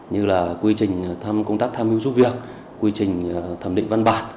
như là quy trình công tác tham hưu giúp việc quy trình thẩm định văn bản